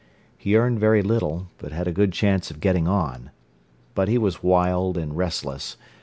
He earned very little, but had a good chance of getting on. But he was wild and restless.